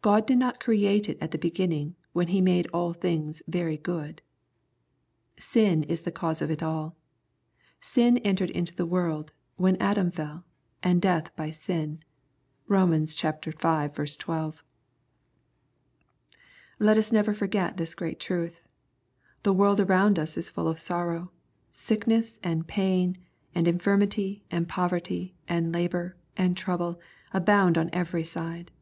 God did not create it at the beginning, when He made all things " very good. Sin is the cause of it all. " Sin entered into the world when Adam fell, " and death by sin." (Rom. v. 12.) Let us never forget this great truth. The world around us is full of sorrow. Sickness, and pain, and infiimity, and poverty, and labor, and trouble, abound on every side.